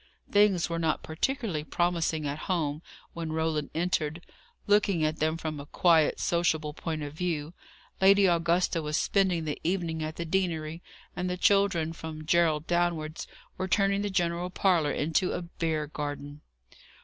Things were not particularly promising at home, when Roland entered, looking at them from a quiet, sociable point of view. Lady Augusta was spending the evening at the deanery, and the children, from Gerald downwards, were turning the general parlour into a bear garden.